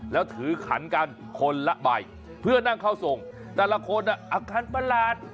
แล้วถือขันกันคนละใบเพื่อนั่งเข้าส่งแต่ละคนอาการประหลาด